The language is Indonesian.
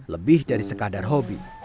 lebih dari sekadar hobi